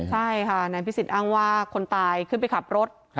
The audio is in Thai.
ใช่ค่ะนายพิสิทธิอ้างว่าคนตายขึ้นไปขับรถ